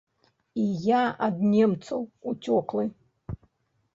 І я ад немцаў уцёклы.